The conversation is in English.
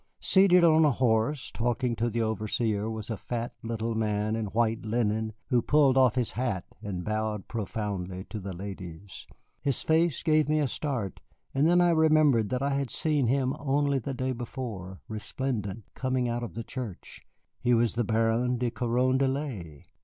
Seated on a horse talking to the overseer was a fat little man in white linen who pulled off his hat and bowed profoundly to the ladies. His face gave me a start, and then I remembered that I had seen him only the day before, resplendent, coming out of church. He was the Baron de Carondelet.